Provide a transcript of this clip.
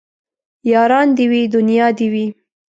ياران دي وي دونيا دي نه وي